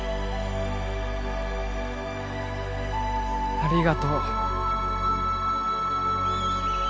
ありがとう。